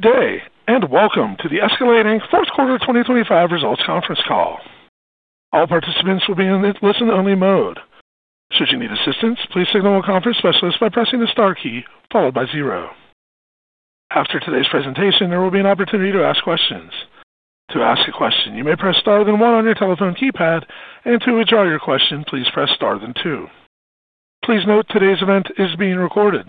Good day, and welcome to the Escalade 4th quarter 2025 results conference call. All participants will be in listen-only mode. Should you need assistance, please signal a conference specialist by pressing the star key followed by zero. After today's presentation, there will be an opportunity to ask questions. To ask a question, you may press star then one on your telephone keypad, and to withdraw your question, please press star then two. Please note today's event is being recorded.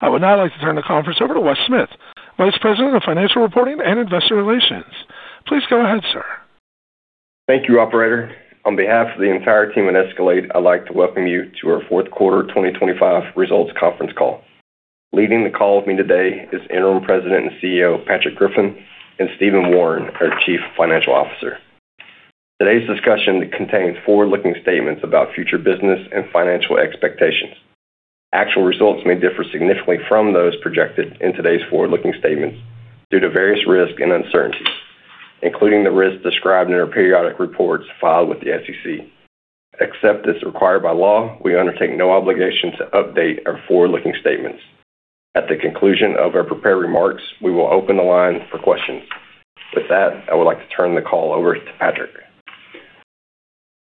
I would now like to turn the conference over to Wesley Smith, Vice President of Financial Reporting and Investor Relations. Please go ahead, sir. Thank you, operator. On behalf of the entire team at Escalade, I'd like to welcome you to our 4th quarter 2025 results conference call. Leading the call with me today is Interim President and CEO, Patrick Griffin, and Stephen Wawrin, our Chief Financial Officer. Today's discussion contains forward-looking statements about future business and financial expectations. Actual results may differ significantly from those projected in today's forward-looking statements due to various risks and uncertainties, including the risks described in our periodic reports filed with the SEC. Except as required by law, we undertake no obligation to update our forward-looking statements. At the conclusion of our prepared remarks, we will open the line for questions. With that, I would like to turn the call over to Patrick.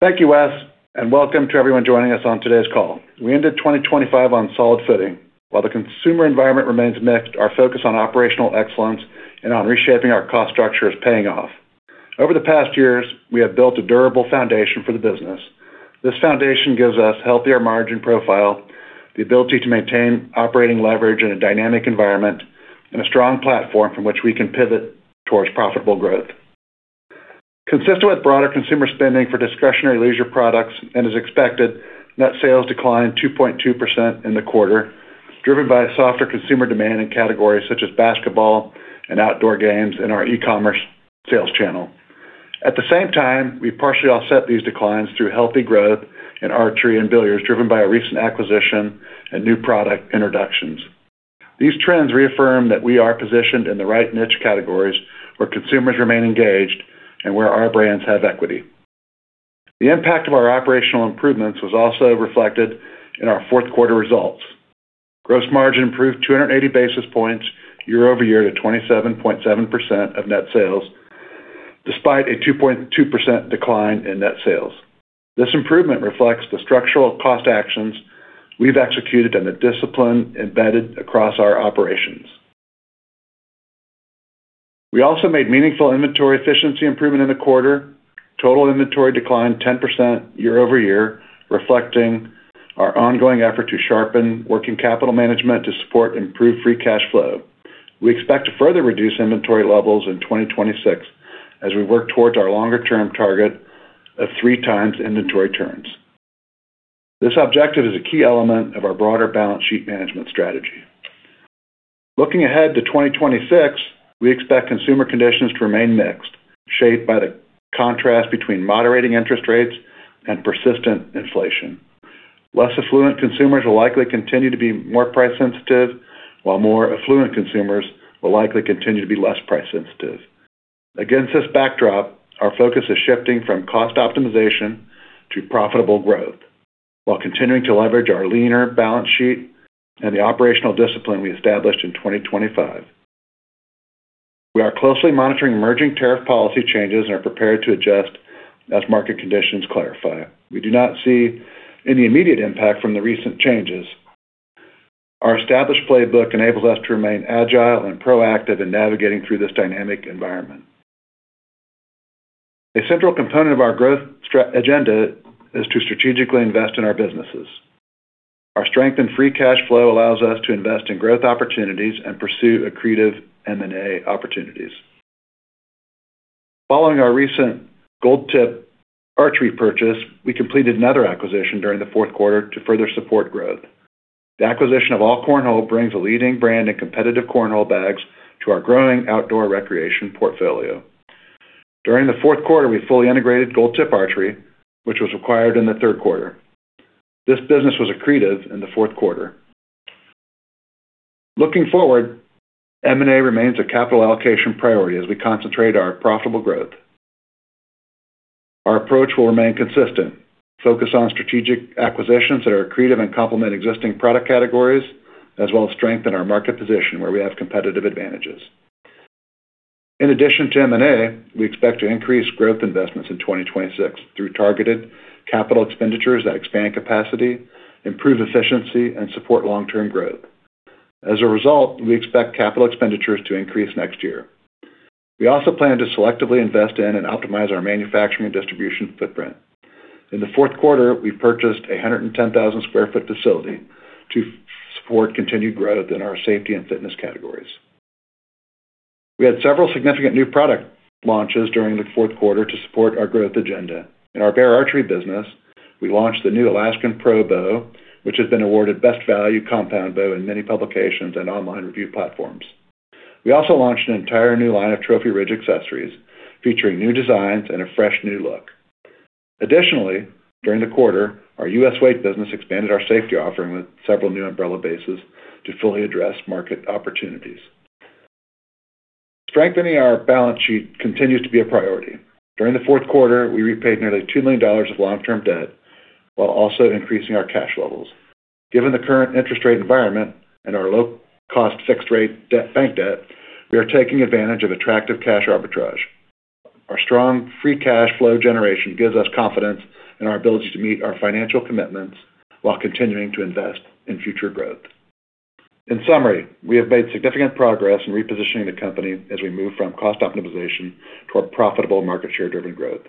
Thank you, Wes. Welcome to everyone joining us on today's call. We ended 2025 on solid footing. While the consumer environment remains mixed, our focus on operational excellence and on reshaping our cost structure is paying off. Over the past years, we have built a durable foundation for the business. This foundation gives us a healthier margin profile, the ability to maintain operating leverage in a dynamic environment, and a strong platform from which we can pivot towards profitable growth. Consistent with broader consumer spending for discretionary leisure products and as expected, net sales declined 2.2% in the quarter, driven by a softer consumer demand in categories such as basketball and outdoor games in our e-commerce sales channel. At the same time, we partially offset these declines through healthy growth in archery and billiards, driven by a recent acquisition and new product introductions. These trends reaffirm that we are positioned in the right niche categories where consumers remain engaged and where our brands have equity. The impact of our operational improvements was also reflected in our 4th quarter results. Gross margin improved 280 basis points year-over-year to 27.7% of net sales, despite a 2.2% decline in net sales. This improvement reflects the structural cost actions we've executed and the discipline embedded across our operations. We also made meaningful inventory efficiency improvement in the quarter. Total inventory declined 10% year-over-year, reflecting our ongoing effort to sharpen working capital management to support improved free cash flow. We expect to further reduce inventory levels in 2026 as we work towards our longer-term target of 3x inventory turns. This objective is a key element of our broader balance sheet management strategy. Looking ahead to 2026, we expect consumer conditions to remain mixed, shaped by the contrast between moderating interest rates and persistent inflation. Less affluent consumers will likely continue to be more price sensitive, while more affluent consumers will likely continue to be less price sensitive. Against this backdrop, our focus is shifting from cost optimization to profitable growth, while continuing to leverage our leaner balance sheet and the operational discipline we established in 2025. We are closely monitoring emerging tariff policy changes and are prepared to adjust as market conditions clarify. We do not see any immediate impact from the recent changes. Our established playbook enables us to remain agile and proactive in navigating through this dynamic environment. A central component of our growth agenda is to strategically invest in our businesses. Our strength in free cash flow allows us to invest in growth opportunities and pursue accretive M&A opportunities. Following our recent Gold Tip Archery purchase, we completed another acquisition during the 4th quarter to further support growth. The acquisition of AllCornhole brings a leading brand in competitive cornhole bags to our growing outdoor recreation portfolio. During the 4th quarter, we fully integrated Gold Tip Archery, which was acquired in the third quarter. This business was accretive in the 4th quarter. Looking forward, M&A remains a capital allocation priority as we concentrate our profitable growth. Our approach will remain consistent, focused on strategic acquisitions that are accretive and complement existing product categories, as well as strengthen our market position where we have competitive advantages. In addition to M&A, we expect to increase growth investments in 2026 through targeted capital expenditures that expand capacity, improve efficiency, and support long-term growth. We expect capital expenditures to increase next year. We also plan to selectively invest in and optimize our manufacturing and distribution footprint. In the 4th quarter, we purchased a 110,000 sq ft facility to support continued growth in our safety and fitness categories. We had several significant new product launches during the 4th quarter to support our growth agenda. In our Bear Archery business, we launched the new Alaskan Pro Bow, which has been awarded Best Value Compound Bow in many publications and online review platforms. We also launched an entire new line of Trophy Ridge accessories featuring new designs and a fresh new look. During the quarter, our U.S. Weight business expanded our safety offering with several new umbrella bases to fully address market opportunities. Strengthening our balance sheet continues to be a priority. During the 4th quarter, we repaid nearly $2 million of long-term debt, while also increasing our cash levels. Given the current interest rate environment and our low cost fixed rate debt, bank debt, we are taking advantage of attractive cash arbitrage. Our strong free cash flow generation gives us confidence in our ability to meet our financial commitments while continuing to invest in future growth. In summary, we have made significant progress in repositioning the company as we move from cost optimization toward profitable market share-driven growth.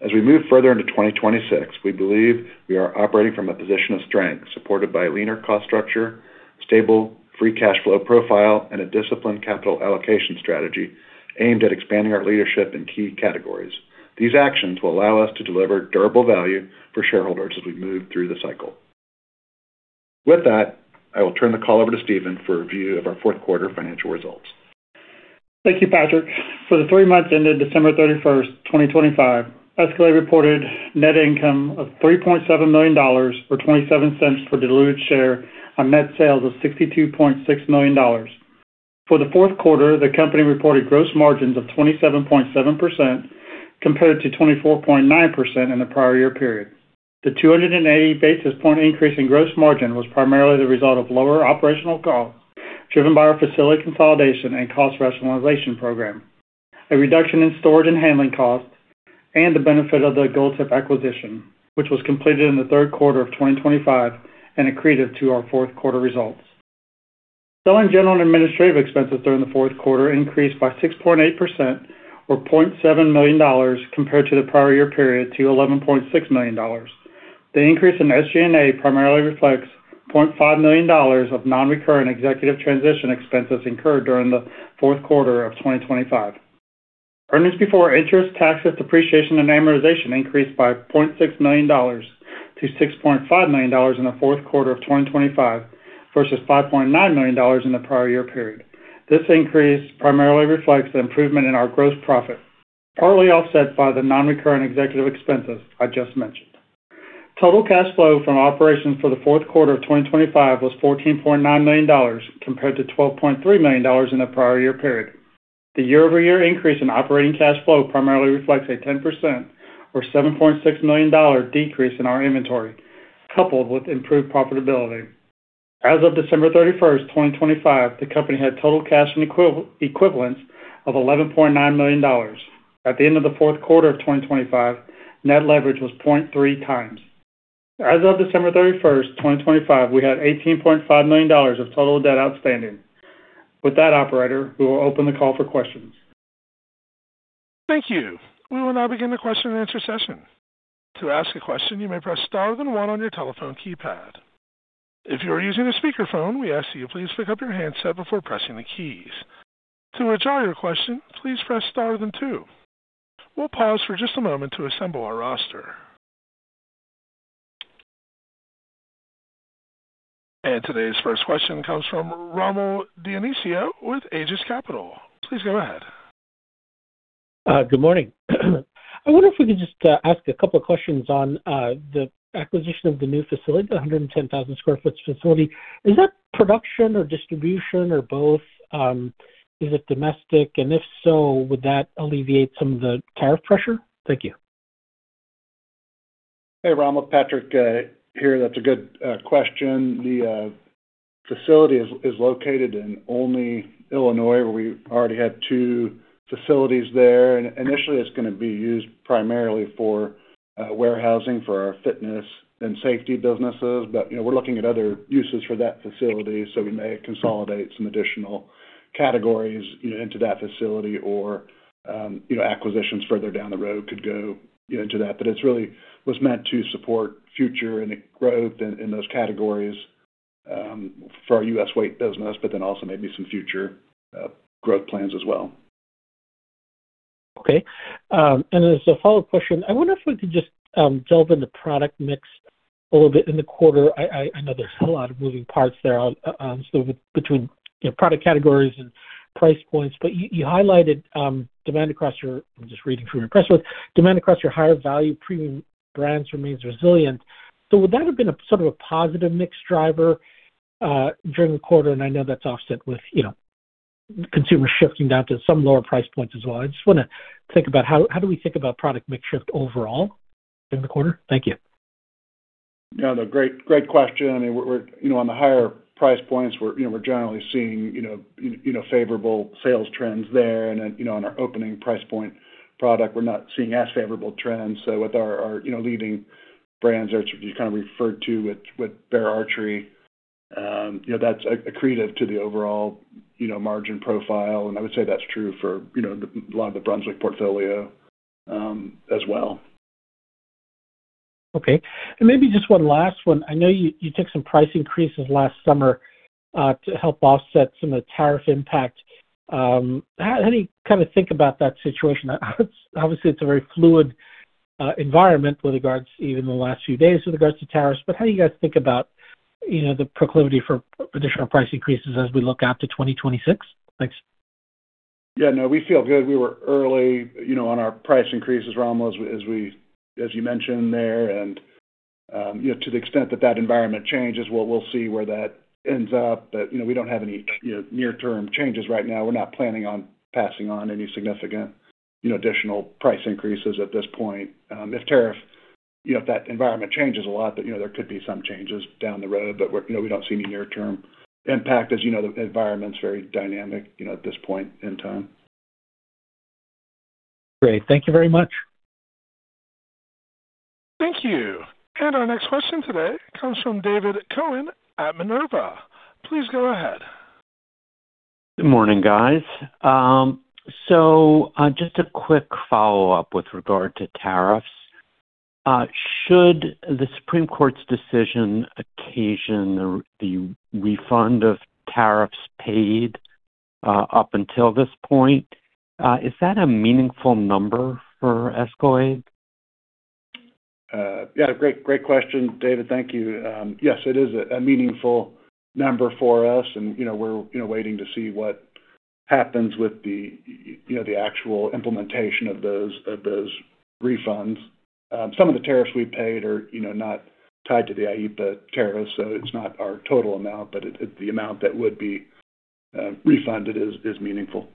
As we move further into 2026, we believe we are operating from a position of strength, supported by a leaner cost structure, stable free cash flow profile, and a disciplined capital allocation strategy aimed at expanding our leadership in key categories. These actions will allow us to deliver durable value for shareholders as we move through the cycle. With that, I will turn the call over to Stephen for a review of our 4th quarter financial results. Thank you, Patrick. For the three months ended December 31st, 2025, Escalade reported net income of $3.7 million, or $0.27 per diluted share on net sales of $62.6 million. For the 4th quarter, the company reported gross margins of 27.7%, compared to 24.9% in the prior year period. The 280 basis point increase in gross margin was primarily the result of lower operational costs, driven by our facility consolidation and cost rationalization program, a reduction in storage and handling costs, and the benefit of the Gold Tip acquisition, which was completed in the third quarter of 2025 and accretive to our 4th quarter results. Selling, general, and administrative expenses during the 4th quarter increased by 6.8% or $0.7 million compared to the prior year period to $11.6 million. The increase in SG&A primarily reflects $0.5 million of non-recurrent executive transition expenses incurred during the 4th quarter of 2025. Earnings before interest, taxes, depreciation, and amortization increased by $0.6 million to $6.5 million in the 4th quarter of 2025, versus $5.9 million in the prior year period. This increase primarily reflects the improvement in our gross profit, partly offset by the non-recurrent executive expenses I just mentioned. Total cash flow from operations for the 4th quarter of 2025 was $14.9 million, compared to $12.3 million in the prior year period. The year-over-year increase in operating cash flow primarily reflects a 10% or $7.6 million decrease in our inventory, coupled with improved profitability. As of December 31, 2025, the company had total cash and equivalents of $11.9 million. At the end of the 4th quarter of 2025, net leverage was 0.3x. As of December 31, 2025, we had $18.5 million of total debt outstanding. With that, operator, we will open the call for questions. Thank you. We will now begin the question and answer session. To ask a question, you may press Star then one on your telephone keypad. If you are using a speakerphone, we ask that you please pick up your handset before pressing the keys. To withdraw your question, please press Star then two. We'll pause for just a moment to assemble our roster. Today's first question comes from Rommel Dionisio with Aegis Capital. Please go ahead. Good morning. I wonder if we could just ask a couple of questions on the acquisition of the new facility, the 110,000 sq ft facility. Is that production or distribution or both? Is it domestic, and if so, would that alleviate some of the tariff pressure? Thank you. Hey, Rommel. Patrick, here. That's a good question. The facility is located in Olney, Illinois, where we already had two facilities there. Initially, it's gonna be used primarily for warehousing for our fitness and safety businesses. You know, we're looking at other uses for that facility, so we may consolidate some additional categories, you know, into that facility or, you know, acquisitions further down the road could go into that. It's really was meant to support future and growth in those categories, for our U.S. Weight business, but then also maybe some future growth plans as well. Okay. As a follow-up question, I wonder if we could just delve into product mix a little bit in the quarter. I know there's a lot of moving parts there, so between, you know, product categories and price points, but you highlighted, demand across your -- I'm just reading from your press release. Demand across your higher value premium brands remains resilient. Would that have been a sort of a positive mix driver during the quarter? I know that's offset with, you know, consumer shifting down to some lower price points as well. I just wanna think about how do we think about product mix shift overall in the quarter. Thank you. Yeah, no, great question. I mean, we're, you know, on the higher price points, we're, you know, generally seeing, you know, favorable sales trends there. You know, on our opening price point product, we're not seeing as favorable trends. With our, you know, leading brands, which you kind of referred to with Bear Archery, you know, that's accretive to the overall, you know, margin profile, and I would say that's true for, you know, a lot of the Brunswick portfolio as well. Okay, maybe just one last one. I know you took some price increases last summer to help offset some of the tariff impact. How do you kind of think about that situation? Obviously, it's a very fluid environment with regards even the last few days with regards to tariffs. How do you guys think about, you know, the proclivity for additional price increases as we look out to 2026? Thanks. Yeah, no, we feel good. We were early, you know, on our price increases, Rommel, as you mentioned there. You know, to the extent that that environment changes, we'll see where that ends up. You know, we don't have any, you know, near-term changes right now. We're not planning on passing on any significant, you know, additional price increases at this point. If tariff, you know, if that environment changes a lot, but, you know, there could be some changes down the road, but we're, you know, we don't see any near-term impact as you know, the environment's very dynamic, you know, at this point in time. Great. Thank you very much. Thank you. Our next question today comes from David Cohen at Minerva. Please go ahead. Good morning, guys. Just a quick follow-up with regard to tariffs. Should the Supreme Court's decision occasion the refund of tariffs paid, up until this point, is that a meaningful number for Escalade? Yeah, great question, David. Thank you. Yes, it is a meaningful number for us and, you know, we're, you know, waiting to see what happens with the, you know, the actual implementation of those, of those refunds. Some of the tariffs we paid are, you know, not tied to the Section 301 tariffs, so it's not our total amount, but the amount that would be refunded is meaningful.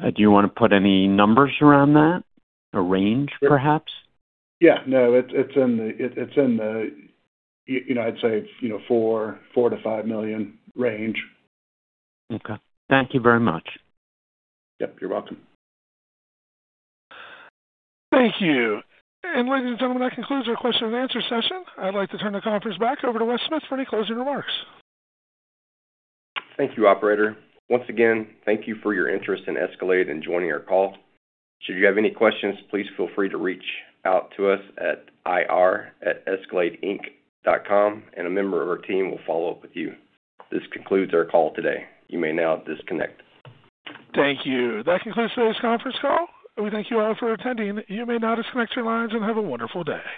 Do you want to put any numbers around that? A range, perhaps? Yeah, no, it's in the, you know, I'd say, you know, $4 million-$5 million range. Okay. Thank you very much. Yep, you're welcome. Thank you. Ladies and gentlemen, that concludes our question and answer session. I'd like to turn the conference back over to Wes Smith for any closing remarks. Thank you, operator. Once again, thank you for your interest in Escalade and joining our call. Should you have any questions, please feel free to reach out to us at ir@escaladeinc.com, and a member of our team will follow up with you. This concludes our call today. You may now disconnect. Thank you. That concludes today's conference call, and we thank you all for attending. You may now disconnect your lines and have a wonderful day.